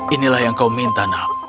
inilah yang kau minta nak